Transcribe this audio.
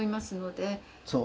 そう。